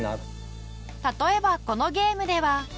例えばこのゲームでは。